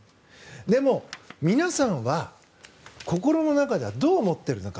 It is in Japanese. でも、皆さんは心の中ではどう思っているのか。